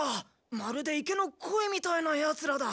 まるで池のコイみたいなやつらだ。